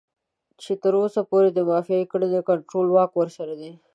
چې تر اوسه پورې د مافيايي کړيو کنټرول واک ورسره دی.